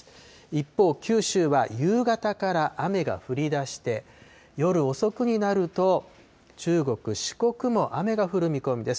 一方、九州は夕方から雨が降りだして、夜遅くになると、中国、四国も雨が降る見込みです。